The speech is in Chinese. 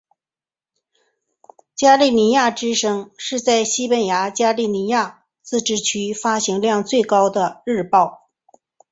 加利西亚之声是在西班牙加利西亚自治区发行量最高的日报。